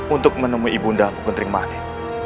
untuk menemui ibu dinda kuntring mani